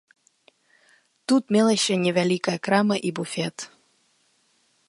Тут мелася невялікая крама і буфет.